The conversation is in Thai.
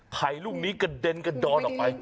ไข่ลูกนี้กระเด็นกระดอนออกไป